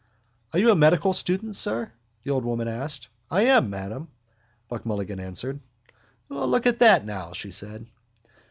—Are you a medical student, sir? the old woman asked. —I am, ma'am, Buck Mulligan answered. —Look at that now, she said.